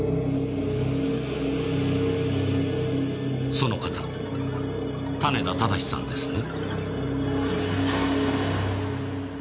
その方種田正さんですね？